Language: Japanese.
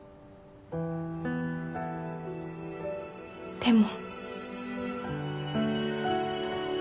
でも。